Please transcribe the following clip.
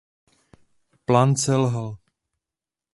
Plán selhal.